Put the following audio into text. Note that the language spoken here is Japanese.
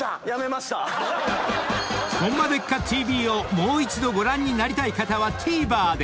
［『ホンマでっか⁉ＴＶ』をもう一度ご覧になりたい方はＴＶｅｒで！］